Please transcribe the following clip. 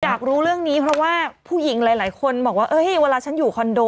อยากรู้เรื่องนี้เพราะว่าผู้หญิงหลายคนบอกว่าเวลาฉันอยู่คอนโด